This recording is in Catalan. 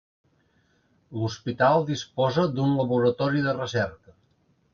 L'hospital disposa d'un laboratori de recerca.